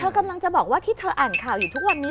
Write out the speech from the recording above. กำลังจะบอกว่าที่เธออ่านข่าวอยู่ทุกวันนี้